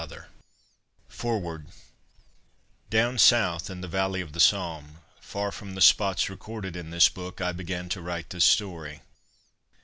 Old Bill FOREWORD _Down South, in the Valley of the Somme, far from the spots recorded in this book, I began to write this story.